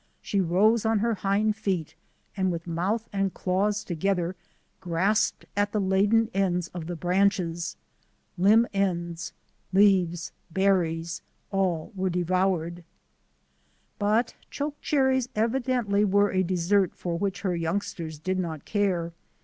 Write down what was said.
She rose on her hind feet and with mouth and claws together grasped at the laden ends of the branches. Limb ends, leaves, berries — all were de voured. But chokecherries evidently were a dessert for which her youngsters did not care.